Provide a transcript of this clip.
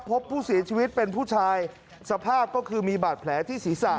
พบผู้เสียชีวิตเป็นผู้ชายสภาพก็คือมีบาดแผลที่ศีรษะ